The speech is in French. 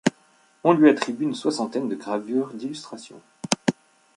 On lui attribue une soixantaine de gravures d'illustration.